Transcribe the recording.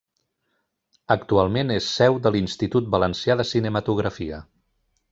Actualment és seu de l'Institut Valencià de Cinematografia.